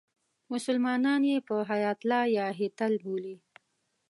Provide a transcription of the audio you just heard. مسلمانان یې هیاتله یا هیتل بولي.